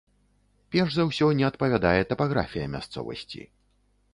Перш за ўсё не адпавядае тапаграфія мясцовасці.